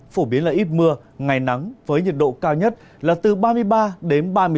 phổ biến là ít mưa ngày nắng với nhiệt độ cao nhất là từ ba mươi một ba mươi bốn độ